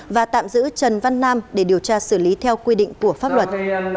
và tạm giữ trần văn nam để điều tra xử lý theo quy định của pháp luật